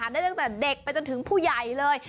ได้จากเด็กไปจนถึงผู้ใหญ่เลย